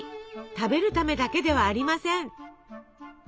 食べるためだけではありません。